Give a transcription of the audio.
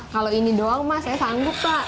kalau ini doang saya sanggup pak